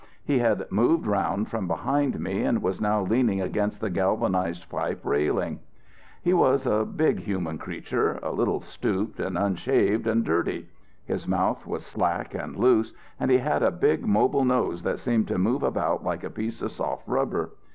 He had moved round from behind me and was now leaning against the galvanized pipe railing. "He was a big human creature, a little stooped, unshaved and dirty; his mouth was slack and loose, and he had a big mobile nose that seemed to move about like a piece of soft rubber.